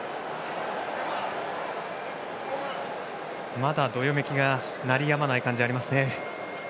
まだどよめきが鳴り止まない感じがあります。